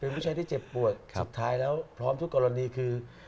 เป็นผู้ชายที่เจ็บปวดสุดท้ายแล้วพร้อมทุกกรณีคือ